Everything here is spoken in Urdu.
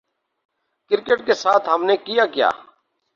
کرکٹ کے ساتھ ہم نے کیا کیا؟